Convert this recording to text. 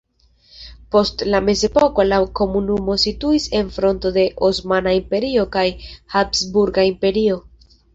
Post la mezepoko la komunumo situis en fronto de Osmana Imperio kaj Habsburga Imperio.